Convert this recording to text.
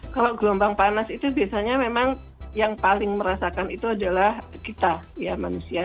kalau gelombang panas itu biasanya memang yang paling merasakan itu adalah kita ya manusia